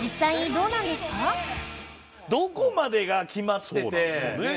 どこまでが決まっててねえ。